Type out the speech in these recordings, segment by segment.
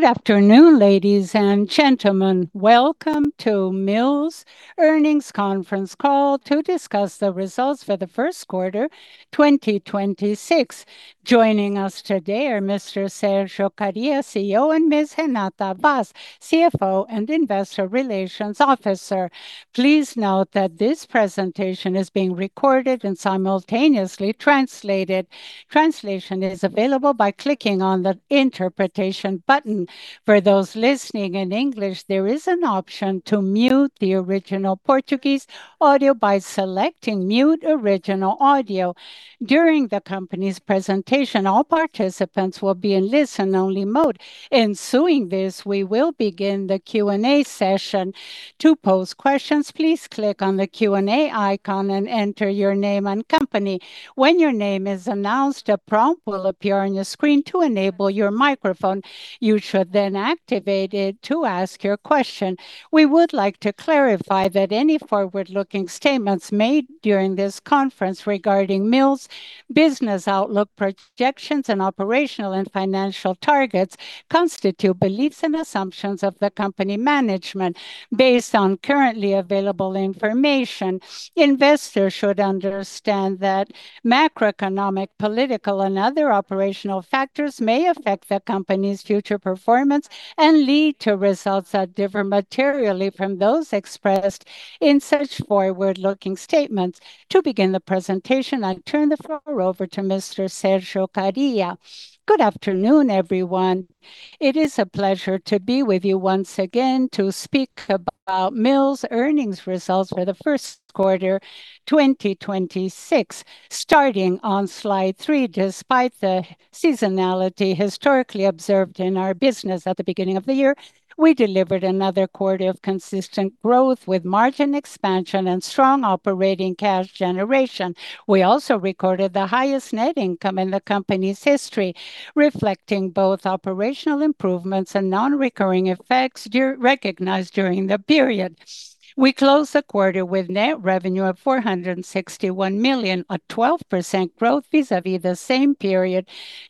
Good afternoon, ladies and gentlemen. Welcome to Mills' earnings conference call to discuss the results for the first quarter 2026. Joining us today are Mr. Sergio Kariya, CEO, and Ms. Renata Vaz, CFO and Investor Relations Officer. Please note that this presentation is being recorded and simultaneously translated. Translation is available by clicking on the interpretation button. For those listening in English, there is an option to mute the original Portuguese audio by selecting Mute Original Audio. During the company's presentation, all participants will be in listen-only mode. Ensuing this, we will begin the Q&A session. To pose questions, please click on the Q&A icon and enter your name and company. When your name is announced, a prompt will appear on your screen to enable your microphone. You should then activate it to ask your question. We would like to clarify that any forward-looking statements made during this conference regarding Mills' business outlook, projections, and operational and financial targets constitute beliefs and assumptions of the company management based on currently available information. Investors should understand that macroeconomic, political, and other operational factors may affect the company's future performance and lead to results that differ materially from those expressed in such forward-looking statements. To begin the presentation, I turn the floor over to Mr. Sergio Kariya. Good afternoon, everyone. It is a pleasure to be with you once again to speak about Mills' earnings results for the first quarter 2026. Starting on slide three, despite the seasonality historically observed in our business at the beginning of the year, we delivered another quarter of consistent growth with margin expansion and strong operating cash generation. We also recorded the highest net income in the company's history, reflecting both operational improvements and non-recurring effects recognized during the period. We closed the quarter with net revenue of 461 million, a 12% growth vis-à-vis the same period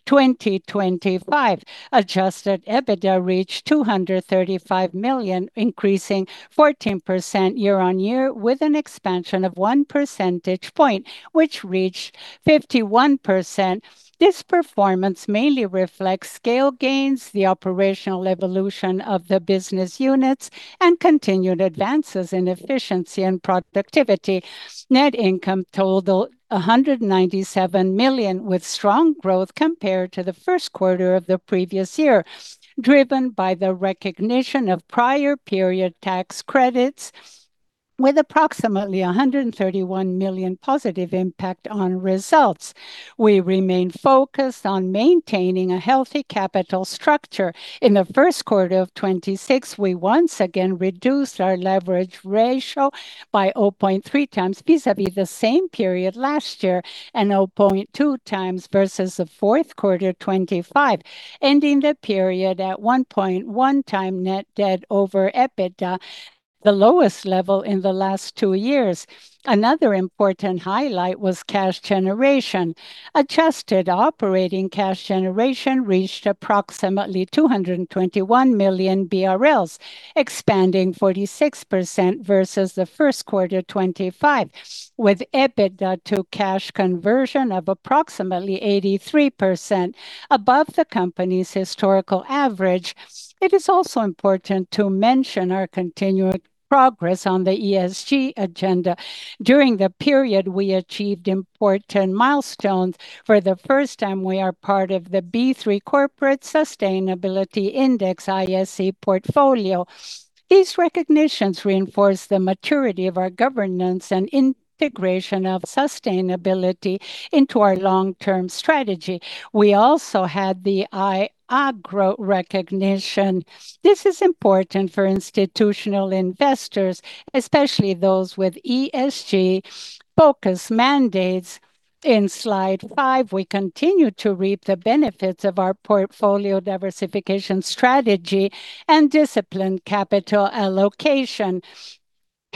2025. Adjusted EBITDA reached 235 million, increasing 14% year-over-year, with an expansion of 1 percentage point, which reached 51%. This performance mainly reflects scale gains, the operational evolution of the business units, and continued advances in efficiency and productivity. Net income totaled 197 million, with strong growth compared to the first quarter of the previous year, driven by the recognition of prior period tax credits, with approximately 131 million positive impact on results. We remain focused on maintaining a healthy capital structure. In the first quarter of 2026, we once again reduced our leverage ratio by 0.3x vis-à-vis the same period last year and 0.2x versus the fourth quarter 2025, ending the period at 1.1x net debt over EBITDA, the lowest level in the last two years. Another important highlight was cash generation. Adjusted operating cash generation reached approximately 221 million BRL, expanding 46% versus the first quarter 2025, with EBITDA to cash conversion of approximately 83% above the company's historical average. It is also important to mention our continuing progress on the ESG agenda. During the period, we achieved important milestones. For the first time, we are part of the B3 Corporate Sustainability Index ISE portfolio. These recognitions reinforce the maturity of our governance and integration of sustainability into our long-term strategy. We also had the IAGRO recognition. This is important for institutional investors, especially those with ESG-focused mandates. In slide five, we continue to reap the benefits of our portfolio diversification strategy and disciplined capital allocation.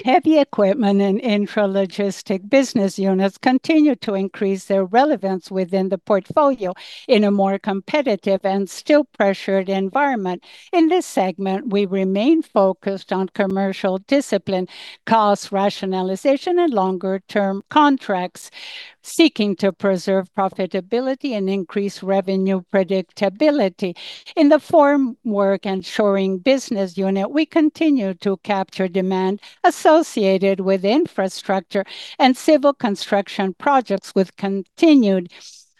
Heavy equipment and intralogistic business units continue to increase their relevance within the portfolio in a more competitive and still pressured environment. In this segment, we remain focused on commercial discipline, cost rationalization, and longer-term contracts, seeking to preserve profitability and increase revenue predictability. In the formwork and shoring business unit, we continue to capture demand associated with infrastructure and civil construction projects with continued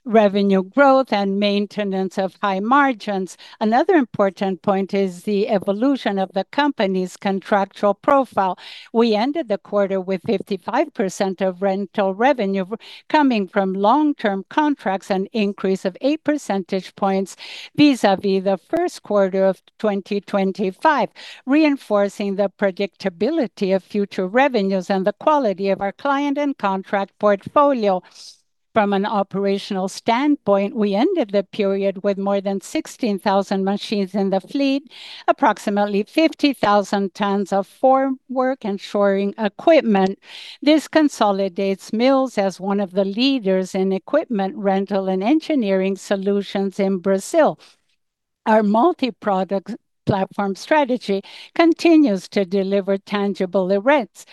revenue growth and maintenance of high margins. Another important point is the evolution of the company's contractual profile. We ended the quarter with 55% of rental revenue coming from long-term contracts, an increase of 8 percentage points vis-à-vis the first quarter of 2025, reinforcing the predictability of future revenues and the quality of our client and contract portfolio. From an operational standpoint, we ended the period with more than 16,000 machines in the fleet, approximately 50,000 tons of formwork and shoring equipment. This consolidates Mills as one of the leaders in equipment rental and engineering solutions in Brazil. Our multi-product platform strategy continues to deliver tangible rents,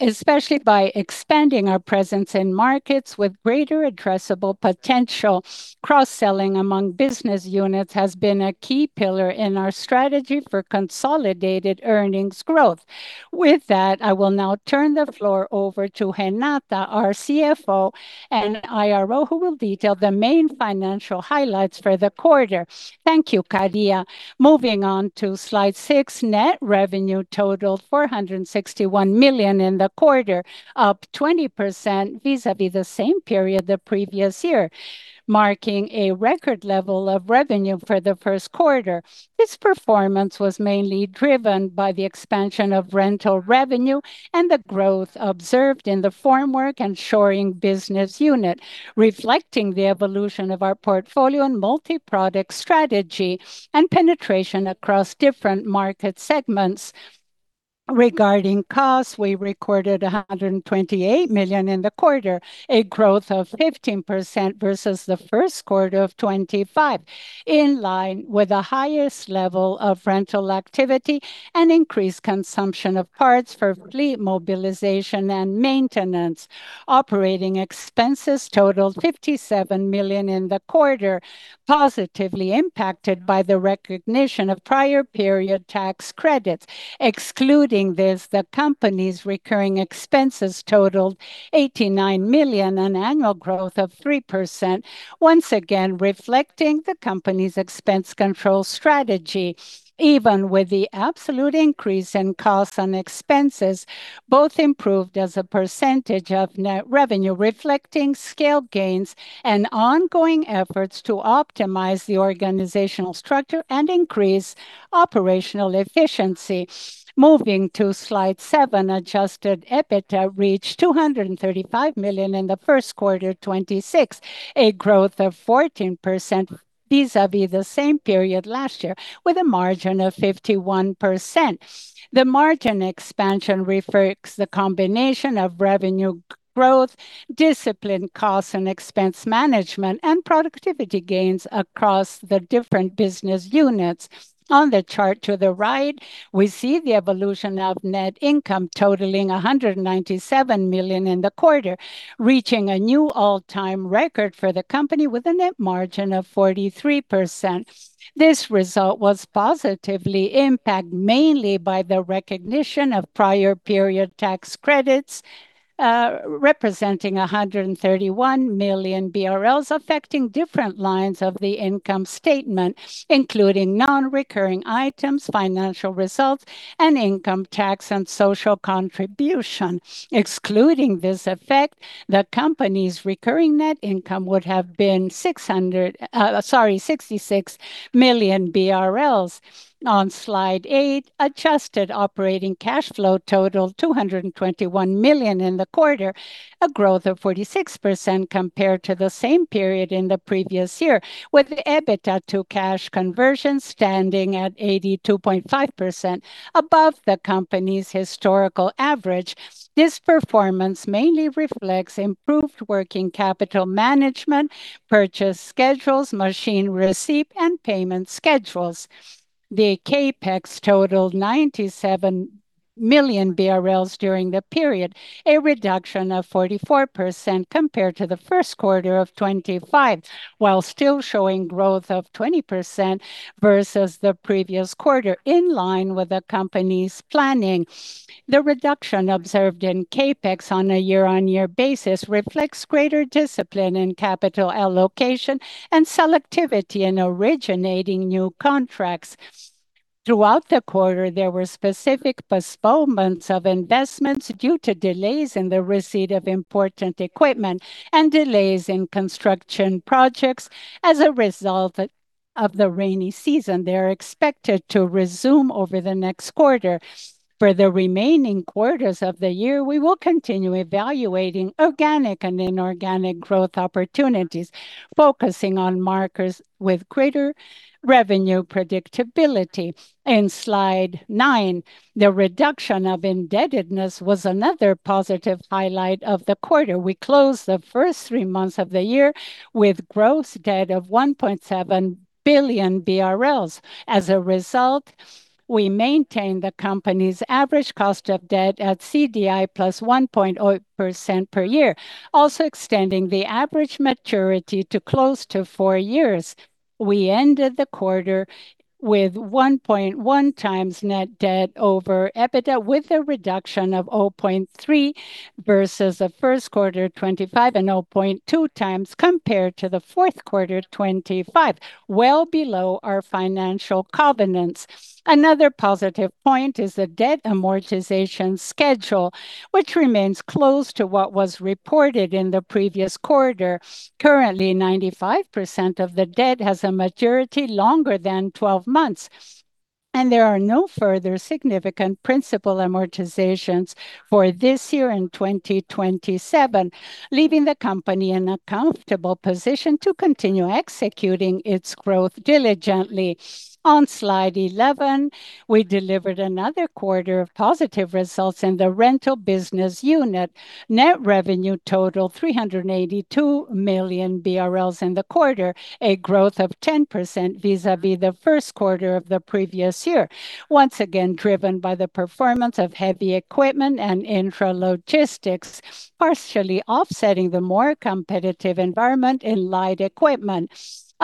especially by expanding our presence in markets with greater addressable potential. Cross-selling among business units has been a key pillar in our strategy for consolidated earnings growth. With that, I will now turn the floor over to Renata, our CFO and IRO, who will detail the main financial highlights for the quarter. Thank you, Kariya. Moving on to slide six, net revenue totaled 461 million in the quarter, up 20% vis-à-vis the same period the previous year, marking a record level of revenue for the first quarter. This performance was mainly driven by the expansion of rental revenue and the growth observed in the formwork and shoring business unit, reflecting the evolution of our portfolio and multi-product strategy and penetration across different market segments. Regarding costs, we recorded 128 million in the quarter, a growth of 15% versus the first quarter of 2025, in line with the highest level of rental activity and increased consumption of parts for fleet mobilization and maintenance. Operating expenses totaled 57 million in the quarter, positively impacted by the recognition of prior period tax credits. Excluding this, the company's recurring expenses totaled 89 million, an annual growth of 3%, once again reflecting the company's expense control strategy. Even with the absolute increase in costs and expenses, both improved as a percentage of net revenue, reflecting scale gains and ongoing efforts to optimize the organizational structure and increase operational efficiency. Moving to slide seven, adjusted EBITDA reached 235 million in the first quarter 2026, a growth of 14% vis-à-vis the same period last year with a margin of 51%. The margin expansion reflects the combination of revenue growth, disciplined cost and expense management, and productivity gains across the different business units. On the chart to the right, we see the evolution of net income totaling 197 million in the quarter, reaching a new all-time record for the company with a net margin of 43%. This result was positively impacted mainly by the recognition of prior period tax credits, representing 131 million BRL affecting different lines of the income statement, including non-recurring items, financial results, and income tax and social contribution. Excluding this effect, the company's recurring net income would have been 66 million BRL. On slide eight, adjusted operating cash flow totaled 221 million in the quarter, a growth of 46% compared to the same period in the previous year, with the EBITDA to cash conversion standing at 82.5% above the company's historical average. This performance mainly reflects improved working capital management, purchase schedules, machine receipt, and payment schedules. The CapEx totaled 97 million BRL during the period, a reduction of 44% compared to the first quarter of 2025, while still showing growth of 20% versus the previous quarter, in line with the company's planning. The reduction observed in CapEx on a year-on-year basis reflects greater discipline in capital allocation and selectivity in originating new contracts. Throughout the quarter, there were specific postponements of investments due to delays in the receipt of important equipment and delays in construction projects as a result of the rainy season. They are expected to resume over the next quarter. For the remaining quarters of the year, we will continue evaluating organic and inorganic growth opportunities, focusing on markers with greater revenue predictability. In slide nine, the reduction of indebtedness was another positive highlight of the quarter. We closed the first three months of the year with gross debt of 1.7 billion BRL. As a result, we maintain the company's average cost of debt at CDI +1.0% per year, also extending the average maturity to close to four years. We ended the quarter with 1.1x net debt over EBITDA, with a reduction of 0.3x versus the first quarter 2025 and 0.2x compared to the fourth quarter 2025, well below our financial covenants. Another positive point is the debt amortization schedule, which remains close to what was reported in the previous quarter. Currently, 95% of the debt has a maturity longer than 12 months. There are no further significant principal amortizations for this year and 2027, leaving the company in a comfortable position to continue executing its growth diligently. On slide 11, we delivered another quarter of positive results in the rental business unit. Net revenue totaled 382 million BRL in the quarter, a growth of 10% vis-a-vis the first quarter of the previous year. Once again, driven by the performance of heavy equipment and intralogistics, partially offsetting the more competitive environment in light equipment.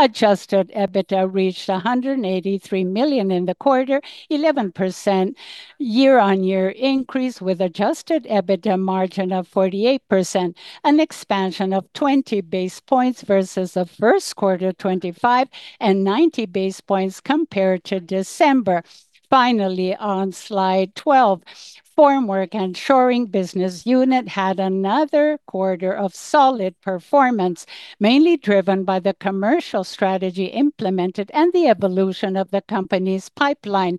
Adjusted EBITDA reached 183 million in the quarter, 11% year-on-year increase, with adjusted EBITDA margin of 48%, an expansion of 20 basis points versus the first quarter 2025, and 90 basis points compared to December. Finally, on slide 12, Formwork and Shoring business unit had another quarter of solid performance, mainly driven by the commercial strategy implemented and the evolution of the company's pipeline.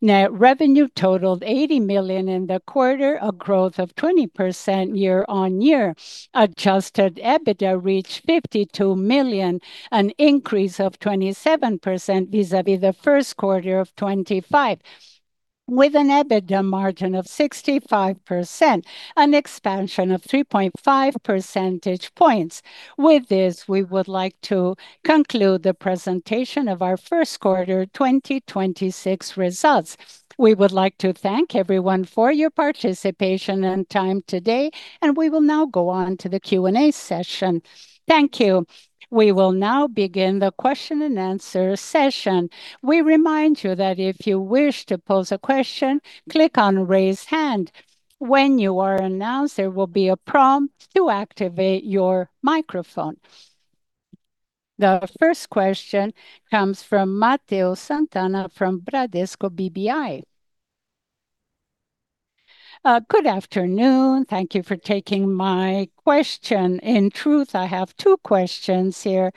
Net revenue totaled 80 million in the quarter, a growth of 20% year-on-year. Adjusted EBITDA reached 52 million, an increase of 27% vis-a-vis the first quarter of 2025, with an EBITDA margin of 65%, an expansion of 3.5 percentage points. With this, we would like to conclude the presentation of our first quarter 2026 results. We would like to thank everyone for your participation and time today. We will now go on to the Q&A session. Thank you. We will now begin the question and answer session. We remind you that if you wish to pose a question, click on Raise Hand. When you are announced, there will be a prompt to activate your microphone. The first question comes from Matheus Sant'Anna from Bradesco BBI. Good afternoon. Thank you for taking my question. In truth, I have two questions here.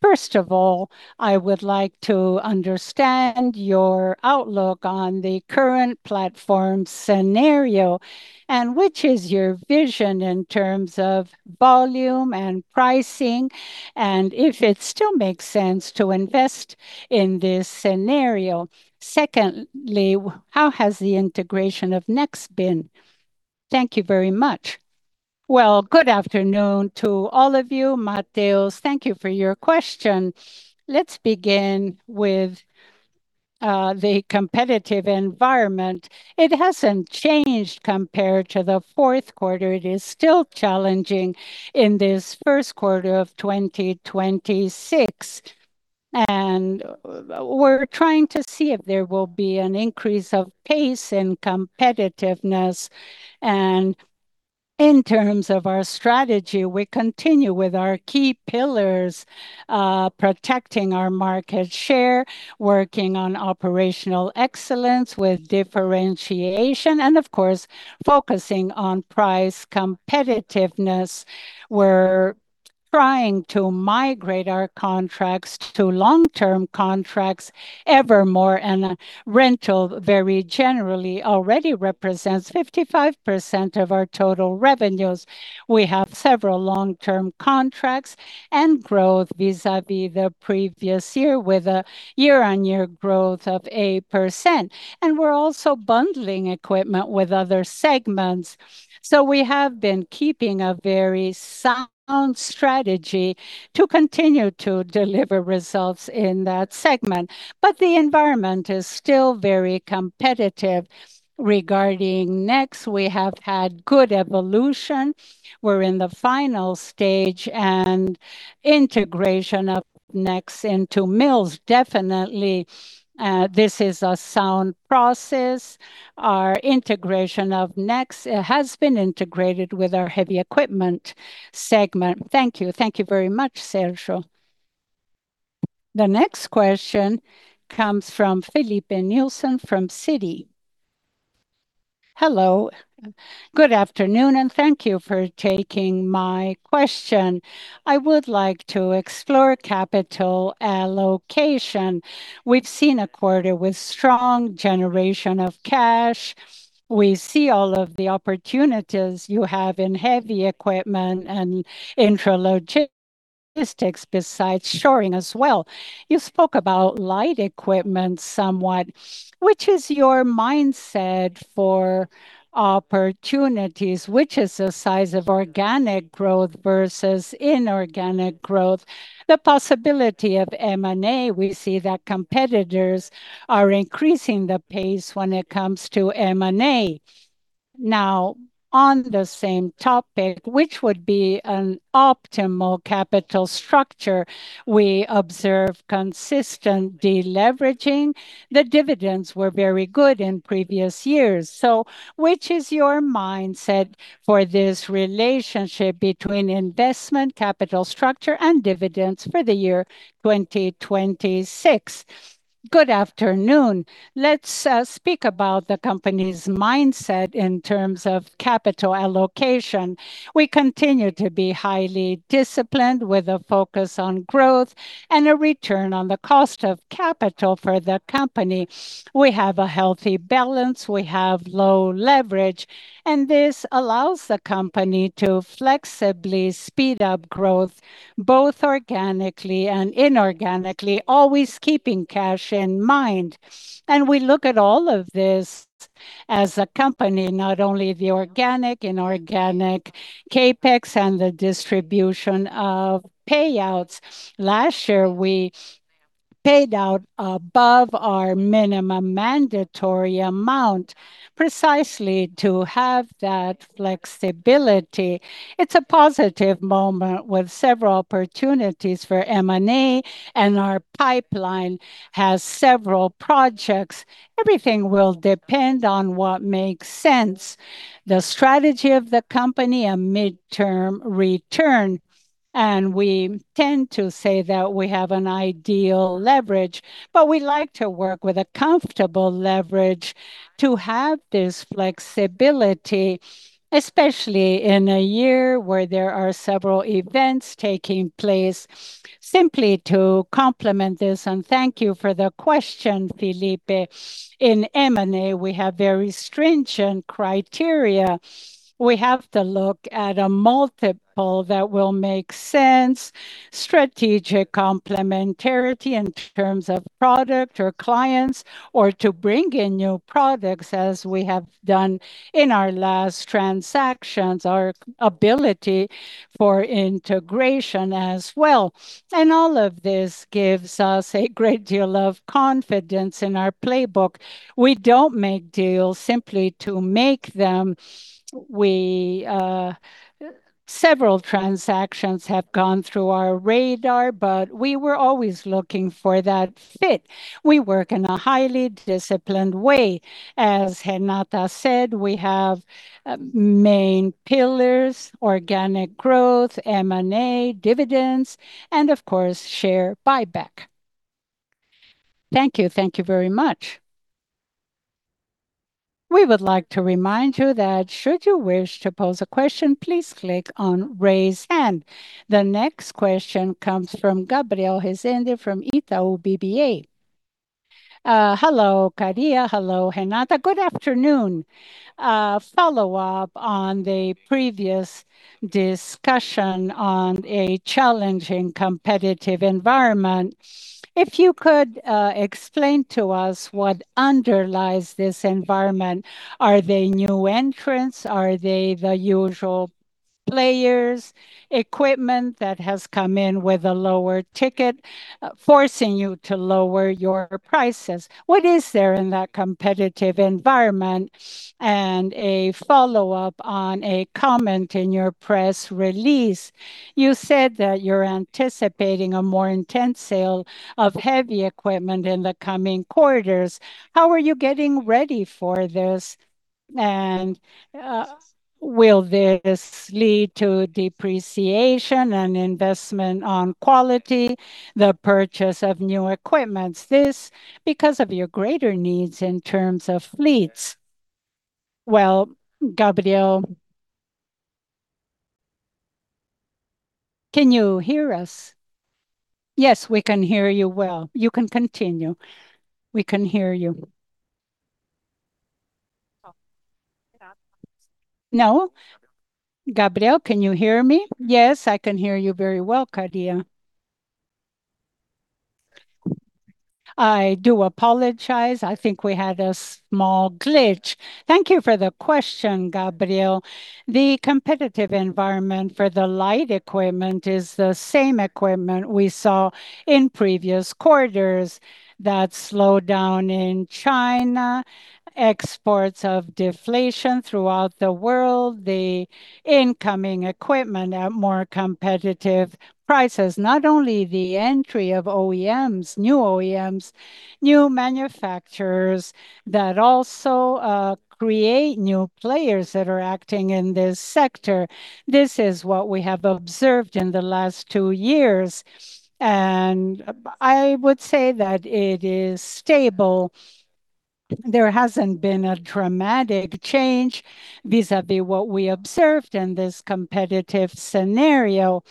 First of all, I would like to understand your outlook on the current platform scenario, which is your vision in terms of volume and pricing, if it still makes sense to invest in this scenario. Secondly, how has the integration of Next been? Thank you very much. Well, good afternoon to all of you. Matheus, thank you for your question. Let's begin with the competitive environment. It hasn't changed compared to the fourth quarter. It is still challenging in this first quarter of 2026. We're trying to see if there will be an increase of pace in competitiveness. In terms of our strategy, we continue with our key pillars, protecting our market share, working on operational excellence with differentiation, and of course, focusing on price competitiveness. We're trying to migrate our contracts to long-term contracts evermore. Rental very generally already represents 55% of our total revenues. We have several long-term contracts and growth vis-a-vis the previous year with a year-over-year growth of 8%. We're also bundling equipment with other segments. We have been keeping a very sound strategy to continue to deliver results in that segment. The environment is still very competitive. Regarding Next, we have had good evolution. We're in the final stage and integration of Next into Mills. Definitely, this is a sound process. Our integration of Next has been integrated with our heavy equipment segment. Thank you. Thank you very much, Sergio. The next question comes from Filipe Nielsen from Citi. Hello, good afternoon, and thank you for taking my question. I would like to explore capital allocation. We've seen a quarter with strong generation of cash. We see all of the opportunities you have in heavy equipment and intralogistics besides shoring as well. You spoke about light equipment somewhat. Which is your mindset for opportunities? Which is the size of organic growth versus inorganic growth? The possibility of M&A, we see that competitors are increasing the pace when it comes to M&A. On the same topic, which would be an optimal capital structure? We observe consistent deleveraging. The dividends were very good in previous years. Which is your mindset for this relationship between investment, capital structure, and dividends for the year 2026? Good afternoon. Let's speak about the company's mindset in terms of capital allocation. We continue to be highly disciplined with a focus on growth and a return on the cost of capital for the company. We have a healthy balance, we have low leverage, and this allows the company to flexibly speed up growth both organically and inorganically, always keeping cash in mind. We look at all of this as a company, not only the organic, inorganic CapEx and the distribution of payouts. Last year we paid out above our minimum mandatory amount precisely to have that flexibility. It's a positive moment with several opportunities for M&A, and our pipeline has several projects. Everything will depend on what makes sense. The strategy of the company, a midterm return, and we tend to say that we have an ideal leverage. We like to work with a comfortable leverage to have this flexibility, especially in a year where there are several events taking place. Simply to complement this, and thank you for the question, Filipe, in M&A, we have very stringent criteria. We have to look at a multiple that will make sense, strategic complementarity in terms of product or clients or to bring in new products as we have done in our last transactions, our ability for integration as well. All of this gives us a great deal of confidence in our playbook. We don't make deals simply to make them. We several transactions have gone through our radar, but we were always looking for that fit. We work in a highly disciplined way. As Renata Vaz said, we have main pillars: organic growth, M&A, dividends and, of course, share buyback. Thank you. Thank you very much. We would like to remind you that should you wish to pose a question, please click on Raise Hand. The next question comes from Gabriel Rezende from Itaú BBA. Hello, Kariya. Hello, Renata. Good afternoon. Follow up on the previous discussion on a challenging competitive environment. If you could explain to us what underlies this environment. Are they new entrants? Are they the usual players? Equipment that has come in with a lower ticket, forcing you to lower your prices. What is there in that competitive environment? A follow-up on a comment in your press release. You said that you're anticipating a more intense sale of heavy equipment in the coming quarters. How are you getting ready for this? Will this lead to depreciation and investment on quality, the purchase of new equipments, this because of your greater needs in terms of fleets? Well, Gabriel, can you hear us? Yes, we can hear you well. You can continue. We can hear you. No. Gabriel, can you hear me? Yes, I can hear you very well, Kariya. I do apologize. I think we had a small glitch. Thank you for the question, Gabriel. The competitive environment for the light equipment is the same equipment we saw in previous quarters. That slowdown in China, exports of deflation throughout the world, the incoming equipment at more competitive prices, not only the entry of OEMs, new OEMs, new manufacturers that also create new players that are acting in this sector. This is what we have observed in the last two years. I would say that it is stable. There hasn't been a dramatic change vis-à-vis what we observed in this competitive scenario.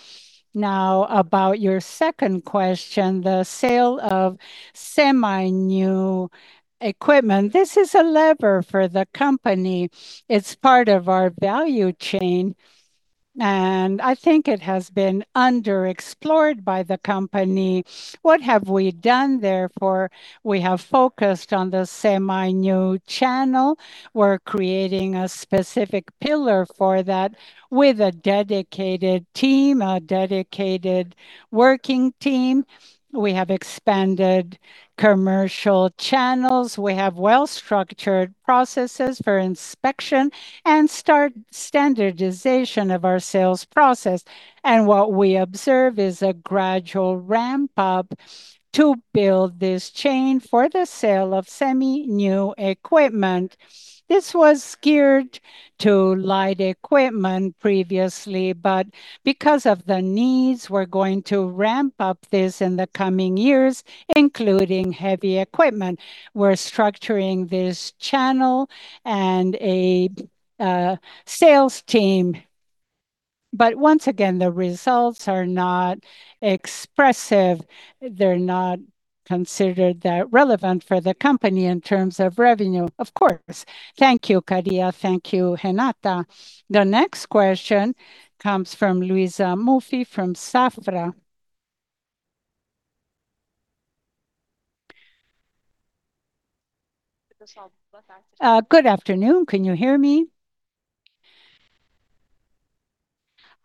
Now, about your second question, the sale of semi-new equipment. This is a lever for the company. It's part of our value chain, and I think it has been underexplored by the company. What have we done therefore? We have focused on the semi-new channel. We're creating a specific pillar for that with a dedicated team, a dedicated working team. We have expanded commercial channels. We have well-structured processes for inspection and start standardization of our sales process. What we observe is a gradual ramp-up to build this chain for the sale of semi-new equipment. This was geared to light equipment previously, but because of the needs, we're going to ramp up this in the coming years, including heavy equipment. We're structuring this channel and a sales team. Once again, the results are not expressive. They're not considered that relevant for the company in terms of revenue, of course. Thank you, Kariya. Thank you, Renata. The next question comes from Luiza Mussi from Safra. Good afternoon. Can you hear me?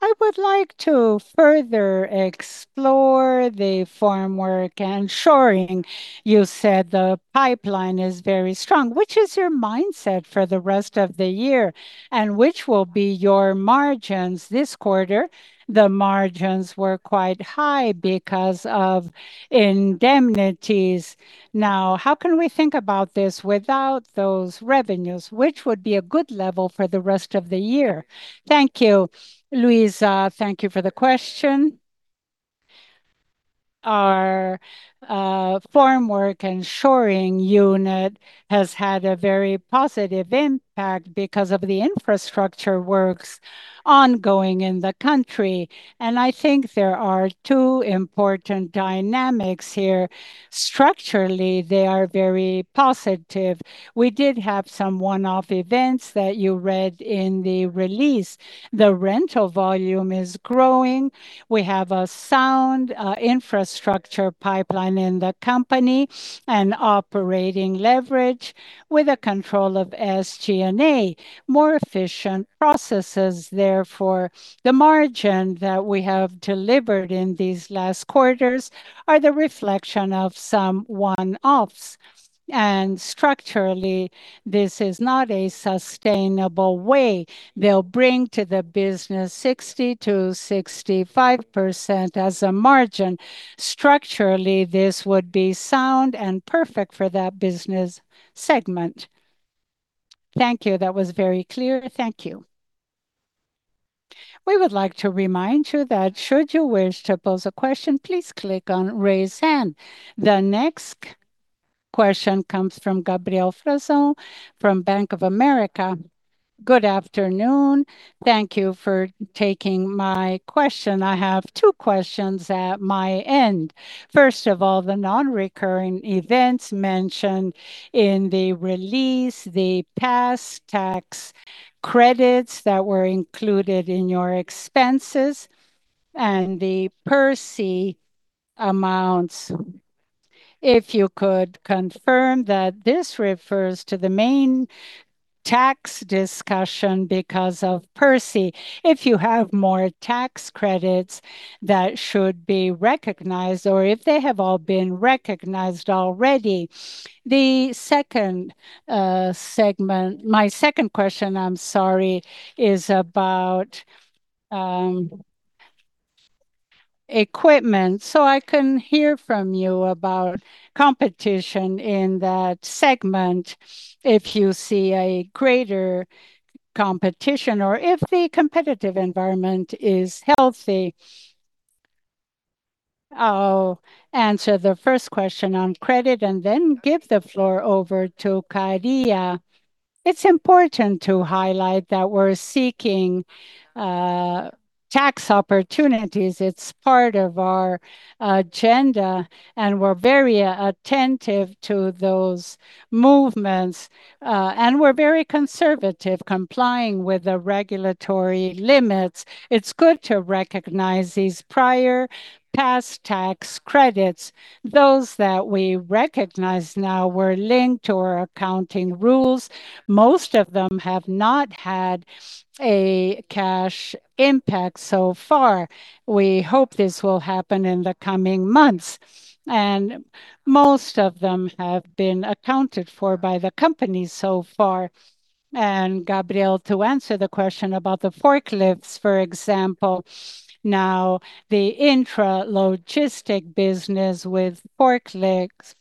I would like to further explore the formwork and shoring. You said the pipeline is very strong. Which is your mindset for the rest of the year, and which will be your margins this quarter? The margins were quite high because of indemnities. Now, how can we think about this without those revenues? Which would be a good level for the rest of the year? Thank you, Luiza. Thank you for the question. Our formwork and shoring unit has had a very positive impact because of the infrastructure works ongoing in the country. I think there are two important dynamics here. Structurally, they are very positive. We did have some one-off events that you read in the release. The rental volume is growing. We have a sound infrastructure pipeline in the company and operating leverage with a control of SG&A, more efficient processes. Therefore, the margin that we have delivered in these last quarters are the reflection of some one-offs. Structurally, this is not a sustainable way. They'll bring to the business 60%-65% as a margin. Structurally, this would be sound and perfect for that business segment. Thank you. That was very clear. Thank you. We would like to remind you that should you wish to pose a question, please click on Raise Hand. The next question comes from Gabriel Frazão from Bank of America. Good afternoon. Thank you for taking my question. I have two questions at my end. First of all, the non-recurring events mentioned in the release, the past tax credits that were included in your expenses and the PERSE amounts. If you could confirm that this refers to the main tax discussion because of PERSE, if you have more tax credits that should be recognized or if they have all been recognized already. The second segment is about equipment, so I can hear from you about competition in that segment, if you see a greater competition or if the competitive environment is healthy. I'll answer the first question on credit and then give the floor over to Kariya. It's important to highlight that we're seeking tax opportunities. It's part of our agenda, and we're very attentive to those movements. We're very conservative complying with the regulatory limits. It's good to recognize these prior past tax credits. Those that we recognize now were linked to our accounting rules. Most of them have not had a cash impact so far. We hope this will happen in the coming months. Most of them have been accounted for by the company so far. Gabriel, to answer the question about the forklifts, for example. The intralogistics business with forklifts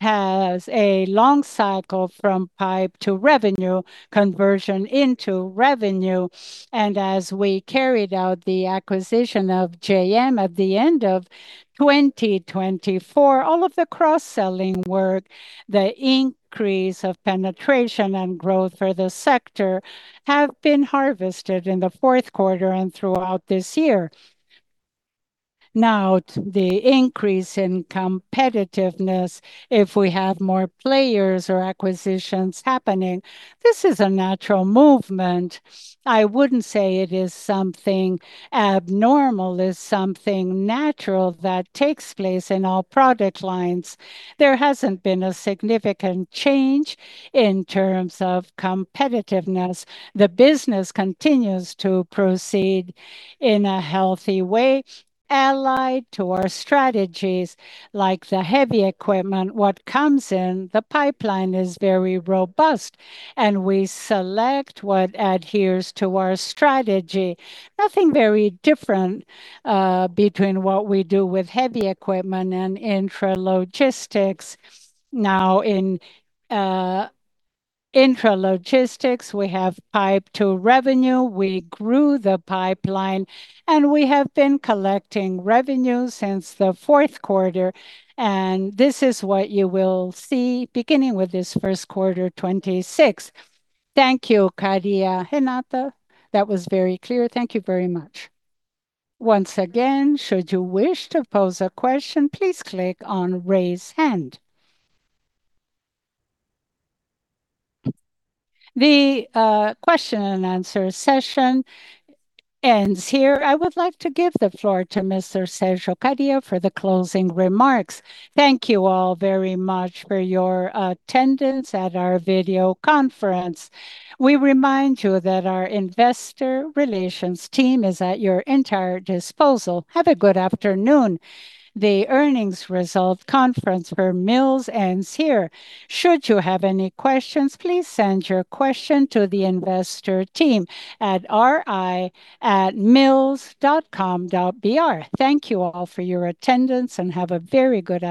has a long cycle from pipe to revenue, conversion into revenue. As we carried out the acquisition of JM at the end of 2024, all of the cross-selling work, the increase of penetration and growth for the sector have been harvested in the fourth quarter and throughout this year. The increase in competitiveness, if we have more players or acquisitions happening, this is a natural movement. I wouldn't say it is something abnormal. It's something natural that takes place in all product lines. There hasn't been a significant change in terms of competitiveness. The business continues to proceed in a healthy way, allied to our strategies, like the heavy equipment. What comes in the pipeline is very robust. We select what adheres to our strategy. Nothing very different between what we do with heavy equipment and intralogistics. Now, in intralogistics, we have pipe to revenue. We grew the pipeline, and we have been collecting revenue since the fourth quarter, and this is what you will see beginning with this first quarter, 2026. Thank you, Kariya. Renata. That was very clear. Thank you very much. Once again, should you wish to pose a question, please click on Raise Hand. The question and answer session ends here. I would like to give the floor to Mr. Sergio Kariya for the closing remarks. Thank you all very much for your attendance at our video conference. We remind you that our investor relations team is at your entire disposal. Have a good afternoon. The earnings result conference for Mills ends here. Should you have any questions, please send your question to the investor team at ri@mills.com.br. Thank you all for your attendance, and have a very good afternoon.